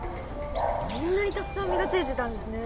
こんなにたくさん実がついてたんですね。